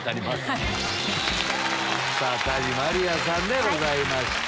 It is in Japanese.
谷まりあさんでございました。